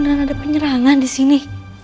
beneran ada penyerangan disini